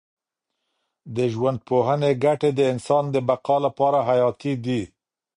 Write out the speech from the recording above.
د ژوندپوهنې ګټې د انسان د بقا لپاره حیاتي دي.